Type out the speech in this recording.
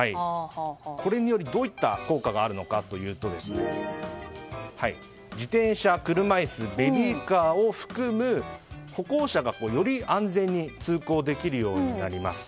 これによりどういった効果があるのかといいますと自転車、車椅子ベビーカーを含む歩行者がより安全に通行できるようになります。